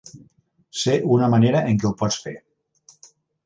Sé una manera en què ho pots fer.